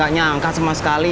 gak nyangka sama sekali